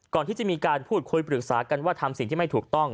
ก่อนที่จะมีการพูดคุยปรึกษากันว่าทำสิ่งที่ไม่ถูกต้อง